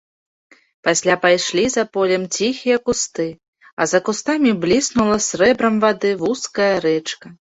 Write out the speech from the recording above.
Пасля пайшлі за полем ціхія кусты, а за кустамі бліснула срэбрам вады вузкая рэчка.